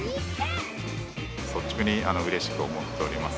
率直にうれしく思っております。